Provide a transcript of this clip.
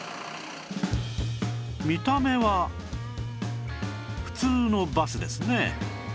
見た目は普通のバスですね